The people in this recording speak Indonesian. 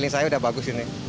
ya udah bagus ini